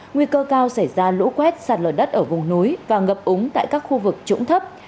nguy cơ cao xảy ra lũ quét sạt lở đất ở vùng núi và ngập úng tại các khu vực trũng thấp